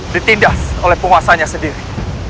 ditindas oleh penguasanya sendiri